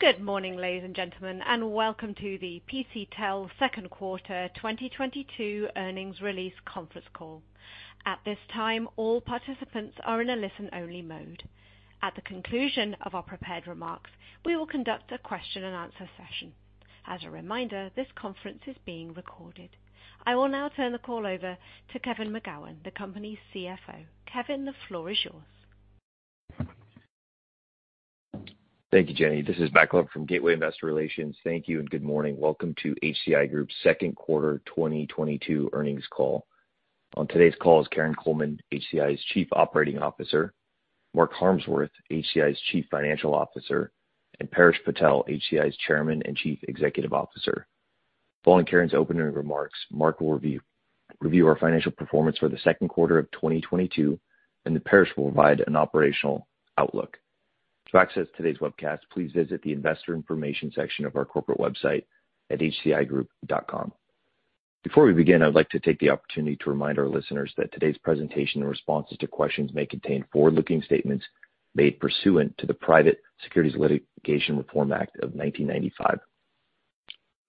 Good morning, ladies and gentlemen, and welcome to the HCI Group second quarter 2022 earnings release conference call. At this time, all participants are in a listen-only mode. At the conclusion of our prepared remarks, we will conduct a question-and-answer session. As a reminder, this conference is being recorded. I will now turn the call over to Kevin McGowan, the company's CFO. Kevin, the floor is yours. Thank you, Jenny. This is Michael from Gateway Investor Relations. Thank you and good morning. Welcome to HCI Group's second quarter 2022 earnings call. On today's call is Karin Coleman, HCI's Chief Operating Officer, Mark Harmsworth, HCI's Chief Financial Officer, and Paresh Patel, HCI's Chairman and Chief Executive Officer. Following Karin's opening remarks, Mark will review our financial performance for the second quarter of 2022, and then Paresh will provide an operational outlook. To access today's webcast, please visit the investor information section of our corporate website at hcigroup.com. Before we begin, I would like to take the opportunity to remind our listeners that today's presentation and responses to questions may contain forward-looking statements made pursuant to the Private Securities Litigation Reform Act of 1995.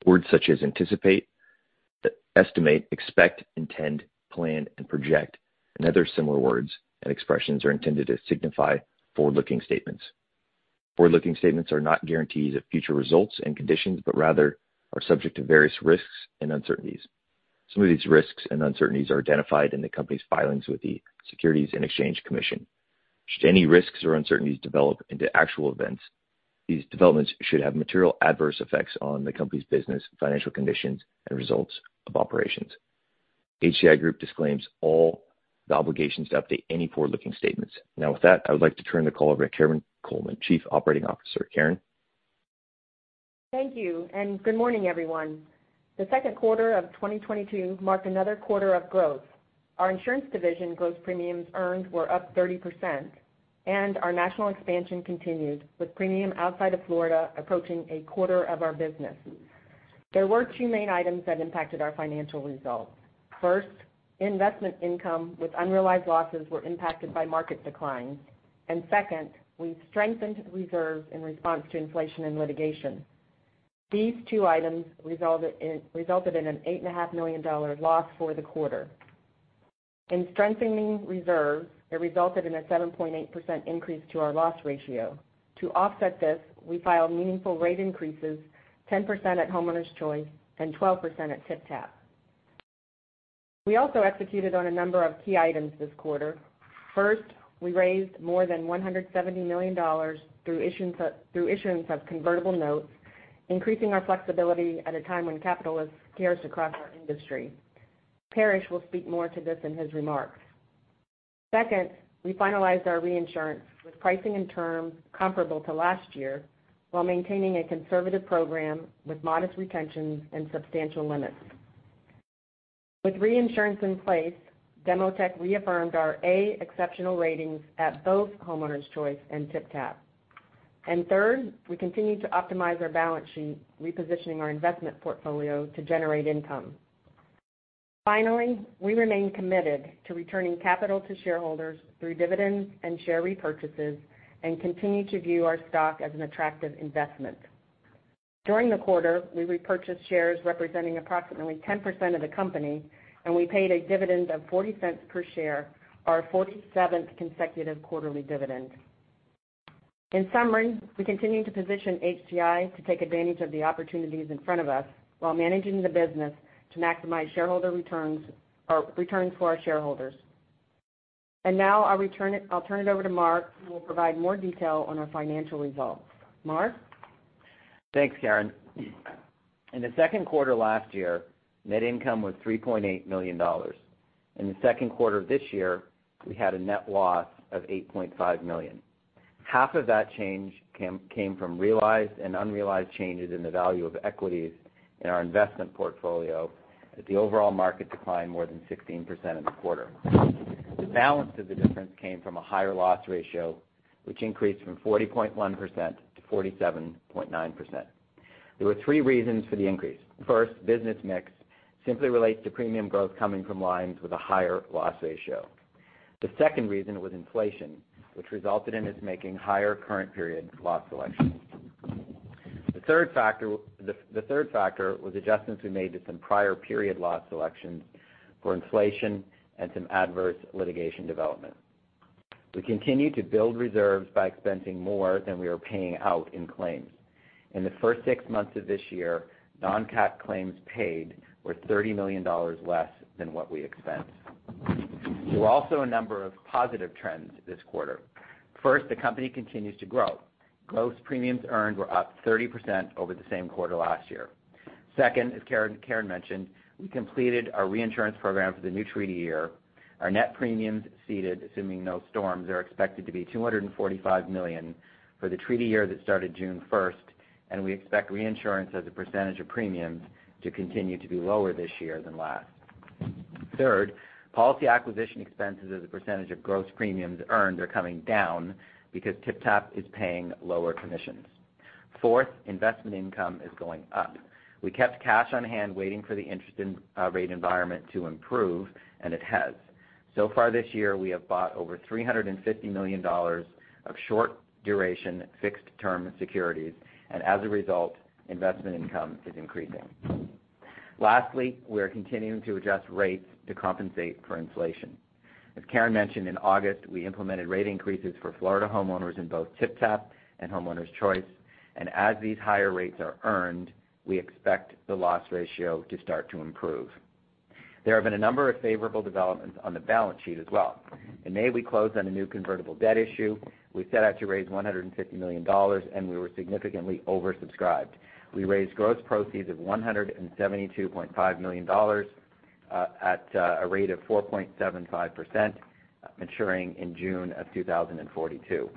Words such as anticipate, estimate, expect, intend, plan, and project, and other similar words and expressions are intended to signify forward-looking statements. Forward-looking statements are not guarantees of future results and conditions, but rather are subject to various risks and uncertainties. Some of these risks and uncertainties are identified in the company's filings with the Securities and Exchange Commission. Should any risks or uncertainties develop into actual events, these developments should have material adverse effects on the company's business, financial conditions, and results of operations. HCI Group disclaims all the obligations to update any forward-looking statements. Now, with that, I would like to turn the call over to Karin Coleman, Chief Operating Officer. Karin? Thank you, and good morning, everyone. The second quarter of 2022 marked another quarter of growth. Our insurance division gross premiums earned were up 30%, and our national expansion continued, with premium outside of Florida approaching a quarter of our business. There were two main items that impacted our financial results. First, investment income with unrealized losses were impacted by market decline. Second, we've strengthened reserves in response to inflation and litigation. These two items resulted in an $8.5 million loss for the quarter. In strengthening reserves, it resulted in a 7.8% increase to our loss ratio. To offset this, we filed meaningful rate increases, 10% at Homeowners Choice and 12% at TypTap. We also executed on a number of key items this quarter. First, we raised more than $170 million through issuance of convertible notes, increasing our flexibility at a time when capital is scarce across our industry. Paresh will speak more to this in his remarks. Second, we finalized our reinsurance with pricing and terms comparable to last year while maintaining a conservative program with modest retentions and substantial limits. With reinsurance in place, Demotech reaffirmed our A, Exceptional ratings at both Homeowners Choice and TypTap. Third, we continue to optimize our balance sheet, repositioning our investment portfolio to generate income. Finally, we remain committed to returning capital to shareholders through dividends and share repurchases, and continue to view our stock as an attractive investment. During the quarter, we repurchased shares representing approximately 10% of the company, and we paid a dividend of $0.40 per share, our 47th consecutive quarterly dividend. In summary, we continue to position HCI to take advantage of the opportunities in front of us while managing the business to maximize shareholder returns or returns for our shareholders. Now I'll turn it over to Mark, who will provide more detail on our financial results. Mark? Thanks, Karin. In the second quarter last year, net income was $3.8 million. In the second quarter of this year, we had a net loss of $8.5 million. Half of that change came from realized and unrealized changes in the value of equities in our investment portfolio, as the overall market declined more than 16% in the quarter. The balance of the difference came from a higher loss ratio, which increased from 40.1% to 47.9%. There were three reasons for the increase. First, business mix simply relates to premium growth coming from lines with a higher loss ratio. The second reason was inflation, which resulted in us making higher current period loss selections. The third factor was adjustments we made to some prior period loss selections for inflation and some adverse litigation development. We continued to build reserves by expensing more than we were paying out in claims. In the first six months of this year, non-cat claims paid were $30 million less than what we expensed. There were also a number of positive trends this quarter. First, the company continues to grow. Gross premiums earned were up 30% over the same quarter last year. Second, as Karin mentioned, we completed our reinsurance program for the new treaty year. Our net premiums ceded, assuming no storms, are expected to be $245 million for the treaty year that started June 1st, and we expect reinsurance as a percentage of premiums to continue to be lower this year than last. Third, policy acquisition expenses as a percentage of gross premiums earned are coming down because TypTap is paying lower commissions. Fourth, investment income is going up. We kept cash on hand waiting for the interest rate environment to improve, and it has. So far this year, we have bought over $350 million of short duration fixed income securities, and as a result, investment income is increasing. Lastly, we are continuing to adjust rates to compensate for inflation. As Karin mentioned, in August, we implemented rate increases for Florida homeowners in both TypTap and Homeowners Choice. As these higher rates are earned, we expect the loss ratio to start to improve. There have been a number of favorable developments on the balance sheet as well. In May, we closed on a new convertible debt issue. We set out to raise $150 million, and we were significantly oversubscribed. We raised gross proceeds of $172.5 million at a rate of 4.75%, maturing in June of 2042.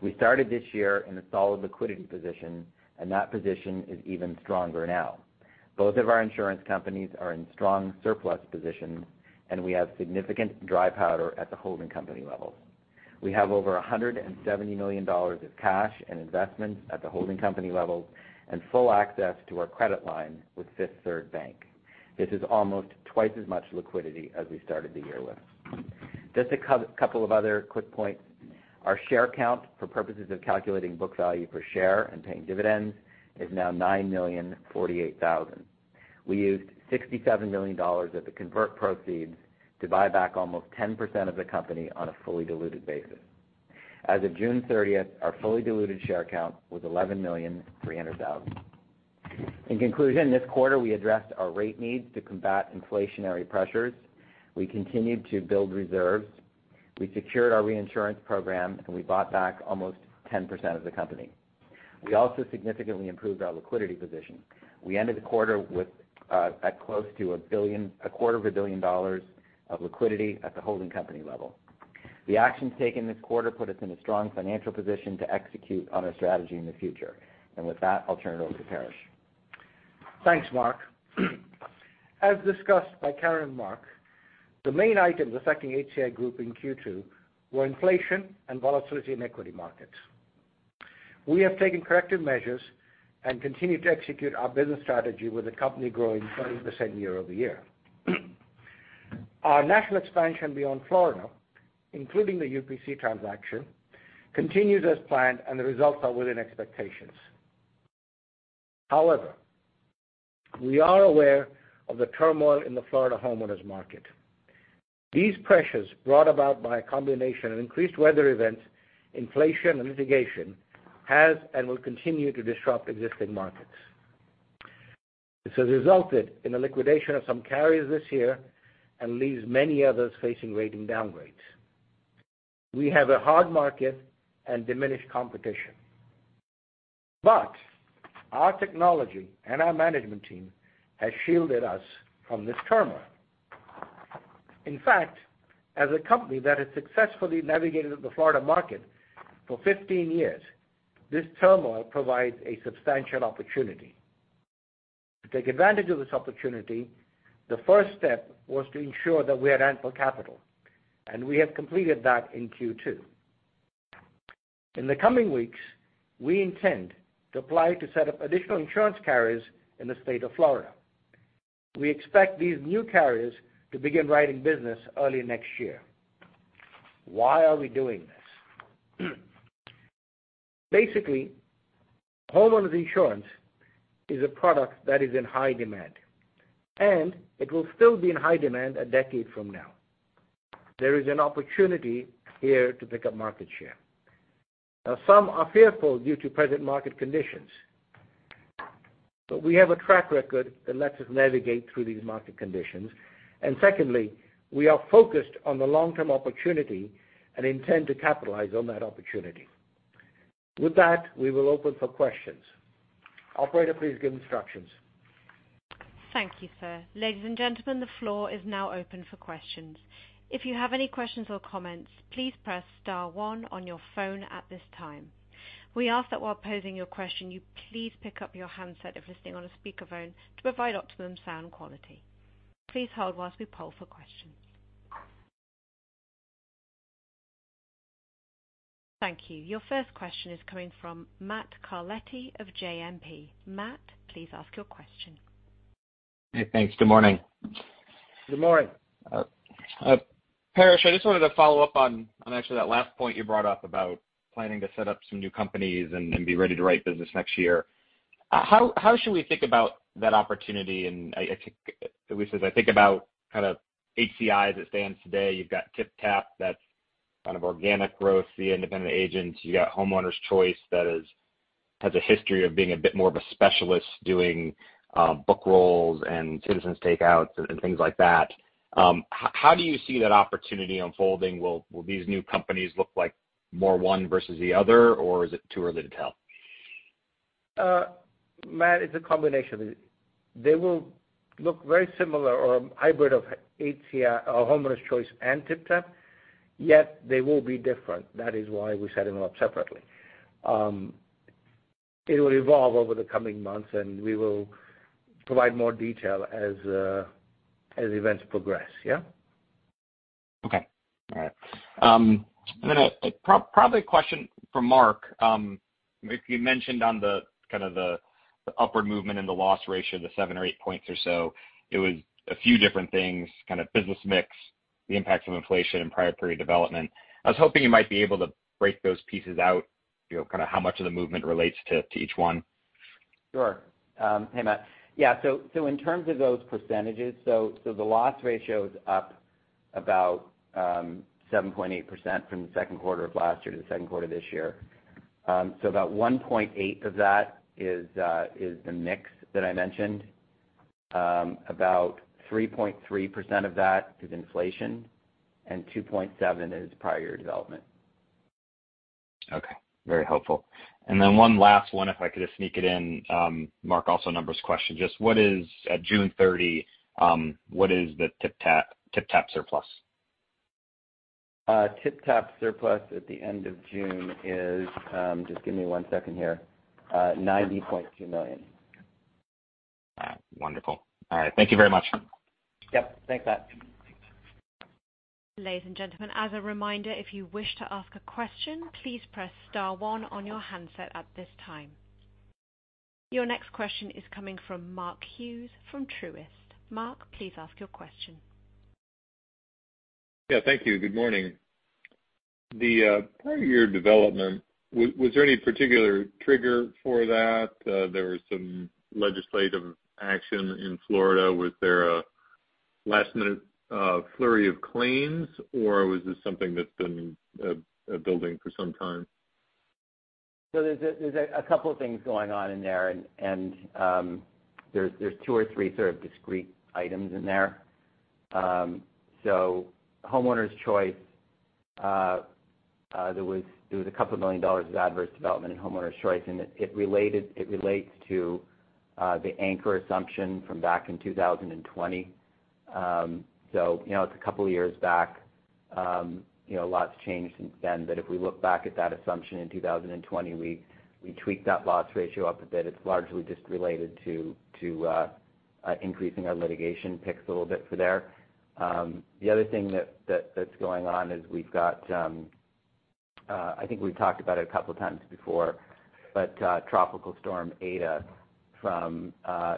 We started this year in a solid liquidity position, and that position is even stronger now. Both of our insurance companies are in strong surplus positions, and we have significant dry powder at the holding company level. We have over $170 million of cash and investments at the holding company level and full access to our credit line with Fifth Third Bank. This is almost twice as much liquidity as we started the year with. Just a couple of other quick points. Our share count for purposes of calculating book value per share and paying dividends is now 9,048,000. We used $67 million of the convert proceeds to buy back almost 10% of the company on a fully diluted basis. As of June 30th, our fully diluted share count was 11.3 million. In conclusion, this quarter, we addressed our rate needs to combat inflationary pressures. We continued to build reserves. We secured our reinsurance program, and we bought back almost 10% of the company. We also significantly improved our liquidity position. We ended the quarter with at close to $1 billion, a quarter of a billion dollars of liquidity at the holding company level. The actions taken this quarter put us in a strong financial position to execute on our strategy in the future. With that, I'll turn it over to Paresh. Thanks, Mark. As discussed by Karin and Mark, the main items affecting HCI Group in Q2 were inflation and volatility in equity markets. We have taken corrective measures and continue to execute our business strategy with the company growing 30% year-over-year. Our national expansion beyond Florida, including the UPC transaction, continues as planned, and the results are within expectations. However, we are aware of the turmoil in the Florida homeowners market. These pressures brought about by a combination of increased weather events, inflation, and litigation has and will continue to disrupt existing markets. This has resulted in the liquidation of some carriers this year and leaves many others facing rating downgrades. We have a hard market and diminished competition, but our technology and our management team has shielded us from this turmoil. In fact, as a company that has successfully navigated the Florida market for 15 years, this turmoil provides a substantial opportunity. To take advantage of this opportunity, the first step was to ensure that we had ample capital, and we have completed that in Q2. In the coming weeks, we intend to apply to set up additional insurance carriers in the state of Florida. We expect these new carriers to begin writing business early next year. Why are we doing this? Basically, homeowners insurance is a product that is in high demand, and it will still be in high demand a decade from now. There is an opportunity here to pick up market share. Now, some are fearful due to present market conditions. We have a track record that lets us navigate through these market conditions. Secondly, we are focused on the long-term opportunity and intend to capitalize on that opportunity. With that, we will open for questions. Operator, please give instructions. Thank you, sir. Ladies and gentlemen, the floor is now open for questions. If you have any questions or comments, please press star one on your phone at this time. We ask that while posing your question, you please pick up your handset if listening on a speakerphone to provide optimum sound quality. Please hold while we poll for questions. Thank you. Your first question is coming from Matt Carletti of JMP. Matt, please ask your question. Hey, thanks. Good morning. Good morning. Paresh, I just wanted to follow up on actually that last point you brought up about planning to set up some new companies and be ready to write business next year. How should we think about that opportunity? At least as I think about kind of HCI as it stands today, you've got TypTap, that's kind of organic growth, the independent agents. You got Homeowners Choice that is has a history of being a bit more of a specialist doing book rolls and Citizens takeouts and things like that. How do you see that opportunity unfolding? Will these new companies look like more one versus the other, or is it too early to tell? Matt, it's a combination. They will look very similar or a hybrid of HCI, Homeowners Choice and TypTap, yet they will be different. That is why we set them up separately. It will evolve over the coming months, and we will provide more detail as events progress. Yeah? Probably a question for Mark. If you mentioned the upward movement in the loss ratio, the seven or eight points or so, it was a few different things, kind of business mix, the impacts of inflation and prior period development. I was hoping you might be able to break those pieces out, you know, kind of how much of the movement relates to each one. Sure. Hey, Matt. Yeah, so in terms of those percentages, the loss ratio is up about 7.8% from the second quarter of last year to the second quarter this year. So about 1.8 of that is the mix that I mentioned. About 3.3% of that is inflation, and 2.7 is prior year development. Okay, very helpful. One last one, if I could just sneak it in, Mark, also a numbers question. Just what is the TypTap surplus at June 30? TypTap surplus at the end of June is, just give me one second here, $90.2 million. All right. Wonderful. All right. Thank you very much. Yep. Thanks, Matt. Ladies and gentlemen, as a reminder, if you wish to ask a question, please press star one on your handset at this time. Your next question is coming from Mark Hughes from Truist. Mark, please ask your question. Yeah, thank you. Good morning. The prior year development, was there any particular trigger for that? There was some legislative action in Florida. Was there a last minute flurry of claims, or was this something that's been building for some time? There's a couple of things going on in there. There's two or three sort of discrete items in there. Homeowners Choice, there was a couple of million dollars of adverse development in Homeowners Choice, and it relates to the anchor assumption from back in 2020. You know, it's a couple of years back, you know, a lot's changed since then. If we look back at that assumption in 2020, we tweaked that loss ratio up a bit. It's largely just related to increasing our litigation picks a little bit for there. The other thing that's going on is we've got, I think we've talked about it a couple of times before, but Tropical Storm Eta from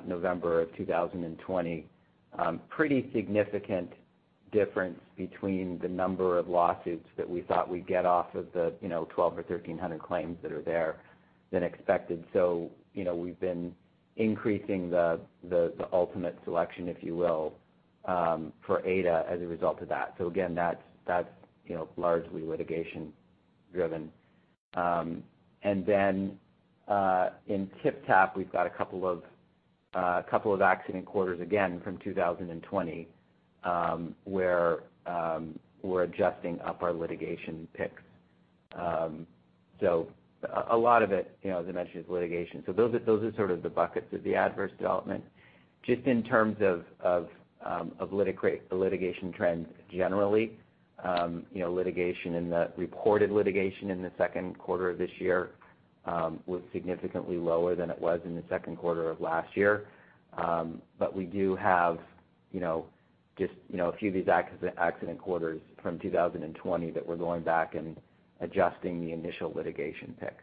November 2020, pretty significant difference between the number of lawsuits that we thought we'd get off of the, you know, 1,200 or 1,300 claims that are there than expected. You know, we've been increasing the ultimate selection, if you will, for Eta as a result of that. Again, that's you know, largely litigation driven. Then in TypTap, we've got a couple of accident quarters again from 2020, where we're adjusting up our litigation picks. A lot of it, you know, as I mentioned, is litigation. Those are sort of the buckets of the adverse development. Just in terms of the litigation trends generally, you know, reported litigation in the second quarter of this year was significantly lower than it was in the second quarter of last year. We do have, you know, just, you know, a few of these accident quarters from 2020 that we're going back and adjusting the initial litigation pick.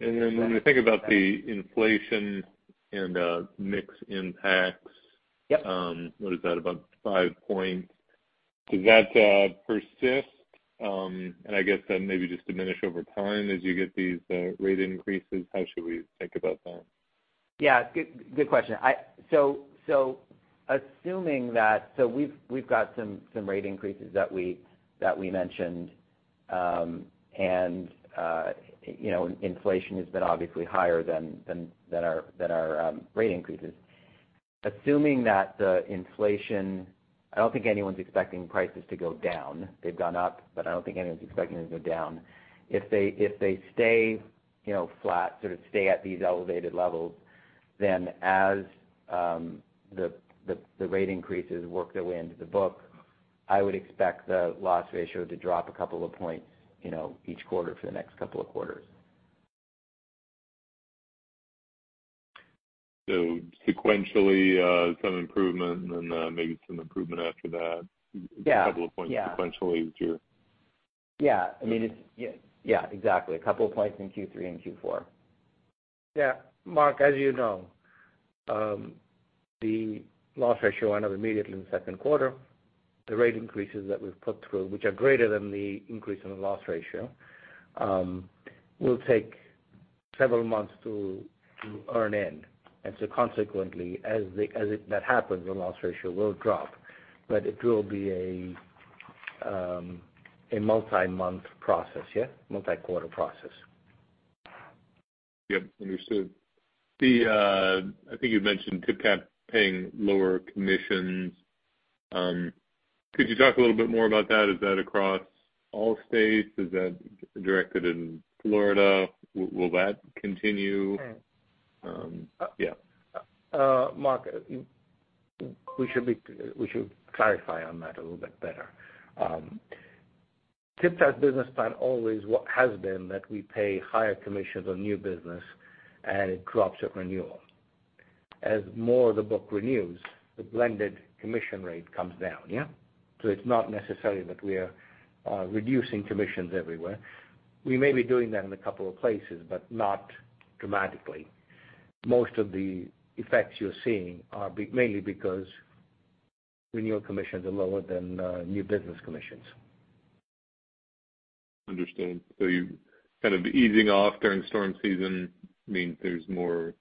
When we think about the inflation and mix impacts. Yep. What is that? About five point. Does that persist? I guess then maybe just diminish over time as you get these rate increases? How should we think about that? Yeah. Good question. So assuming that we've got some rate increases that we mentioned. You know, inflation has been obviously higher than our rate increases. Assuming that the inflation, I don't think anyone's expecting prices to go down. They've gone up, but I don't think anyone's expecting them to go down. If they stay, you know, flat, sort of stay at these elevated levels, then as the rate increases work their way into the book, I would expect the loss ratio to drop a couple of points, you know, each quarter for the next couple of quarters. Sequentially, some improvement, and then, maybe some improvement after that. Yeah. A couple of points sequentially each year. Yeah. I mean, it's yeah, exactly. A couple of points in Q3 and Q4. Yeah. Mark, as you know, the loss ratio went up immediately in the second quarter. The rate increases that we've put through, which are greater than the increase in the loss ratio, will take several months to earn in. As that happens, the loss ratio will drop. It will be a multi-month process. Yeah? Multi-quarter process. Yep, understood. The I think you've mentioned TypTap paying lower commissions. Could you talk a little bit more about that? Is that across all states? Is that directed in Florida? Will that continue? Yeah. Mark, we should clarify on that a little bit better. TypTap's business plan always what has been that we pay higher commissions on new business and it drops at renewal. As more of the book renews, the blended commission rate comes down, yeah? It's not necessarily that we are reducing commissions everywhere. We may be doing that in a couple of places, but not dramatically. Most of the effects you're seeing are mainly because renewal commissions are lower than new business commissions. Understand. You're kind of easing off during storm season. Means there's more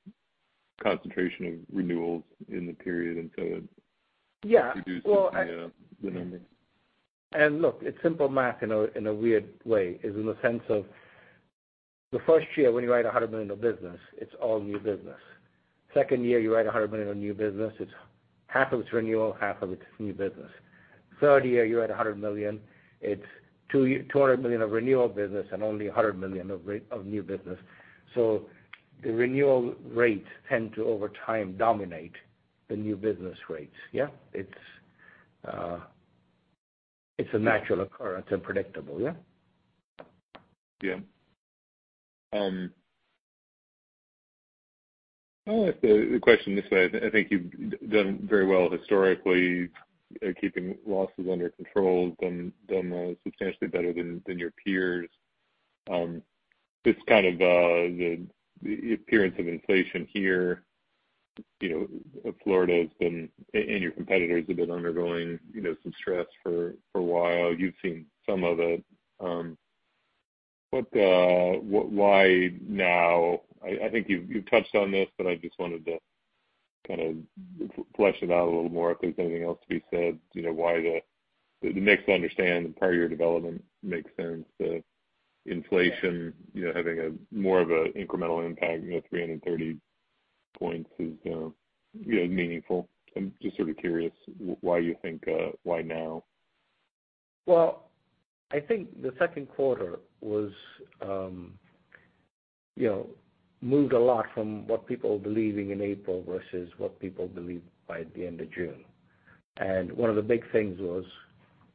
concentration of renewals in the period until it- Yeah. Well, reduces the numbers. Look, it's simple math, in a weird way, in the sense of the first year, when you write $100 million of business, it's all new business. Second year, you write $100 million of new business, it's half of it is renewal, half of it is new business. Third year, you write $100 million, it's $200 million of renewal business and only $100 million of new business. So the renewal rates tend to, over time, dominate the new business rates, yeah? It's a natural occurrence and predictable, yeah? Yeah. I'll ask the question this way. I think you've done very well historically at keeping losses under control, substantially better than your peers. This kind of appearance of inflation here, you know, Florida has been and your competitors have been undergoing, you know, some stress for a while. You've seen some of it. Why now? I think you've touched on this, but I just wanted to kind of flesh it out a little more if there's anything else to be said. Do you know why? To understand the prior year development, it makes sense that inflation, you know, having more of an incremental impact, you know, 330 points is meaningful. I'm just sort of curious why you think, why now? Well, I think the second quarter was moved a lot from what people believing in April versus what people believed by the end of June. One of the big things was,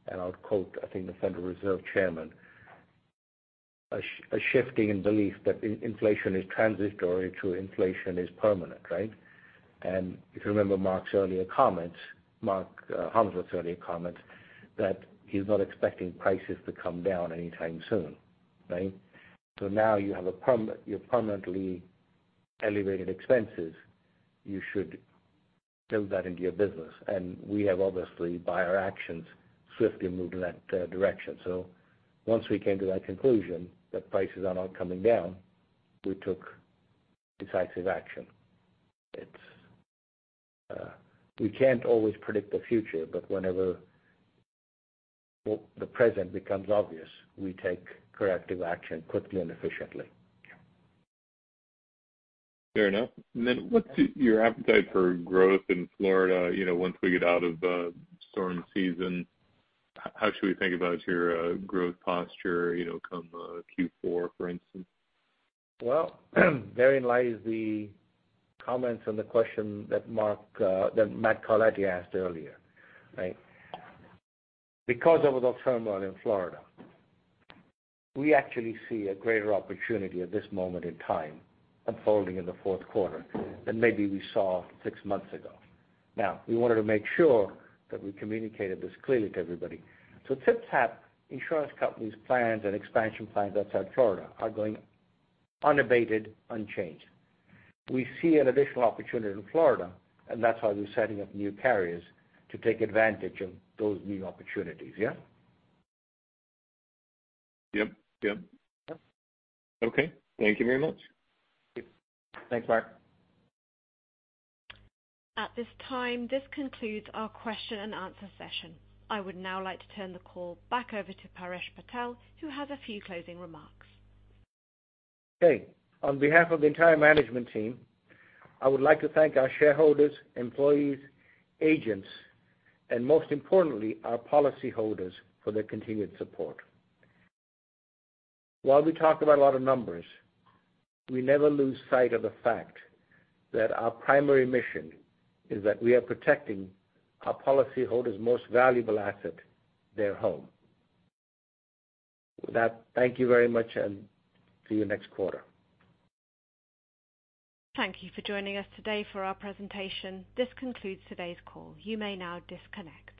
and I'll quote, I think the Federal Reserve Chairman, a shifting in belief that inflation is transitory to inflation is permanent, right? If you remember Mark's earlier comments, Mark Harmsworth's earlier comments, that he's not expecting prices to come down anytime soon, right? Now you have permanently elevated expenses, you should build that into your business. We have, obviously, by our actions, swiftly moved in that direction. Once we came to that conclusion, that prices are not coming down, we took decisive action. It's We can't always predict the future, but whenever the present becomes obvious, we take corrective action quickly and efficiently. Fair enough. What's your appetite for growth in Florida, you know, once we get out of storm season? How should we think about your growth posture, you know, come Q4, for instance? Well, therein lies the comments and the question that Mark, that Matthew Carletti asked earlier, right? Because of the turmoil in Florida, we actually see a greater opportunity at this moment in time unfolding in the fourth quarter than maybe we saw six months ago. Now, we wanted to make sure that we communicated this clearly to everybody. TypTap Insurance Company's plans and expansion plans outside Florida are going unabated, unchanged. We see an additional opportunity in Florida, and that's why we're setting up new carriers to take advantage of those new opportunities. Yeah? Yep. Yep. Yeah. Okay. Thank you very much. Thanks, Mark. At this time, this concludes our question and answer session. I would now like to turn the call back over to Paresh Patel, who has a few closing remarks. Okay. On behalf of the entire management team, I would like to thank our shareholders, employees, agents, and most importantly, our policyholders for their continued support. While we talk about a lot of numbers, we never lose sight of the fact that our primary mission is that we are protecting our policyholders' most valuable asset, their home. With that, thank you very much, and see you next quarter. Thank you for joining us today for our presentation. This concludes today's call. You may now disconnect.